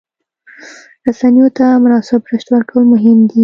رسنیو ته مناسب رشد ورکول مهم دي.